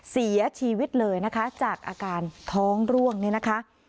เสียชีวิตเลยนะคะจากอาการท้องร่วงเนี่ยนะคะ